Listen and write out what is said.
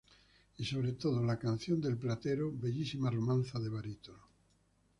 Y, sobre todo, la ""Canción del platero"," bellísima romanza de barítono.